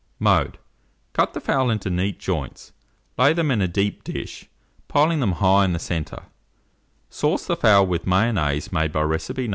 Mode. Cut the fowl into neat joints, lay them in a deep dish, piling them high in the centre, sauce the fowl with Mayonnaise made by recipe No.